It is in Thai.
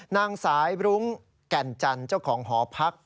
นางสายรุ้งแก่นจันทร์เจ้าของหอพัก